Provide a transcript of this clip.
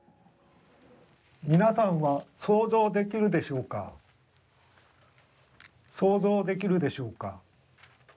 皆さんは想像できるでしょうか想像できるでしょうか。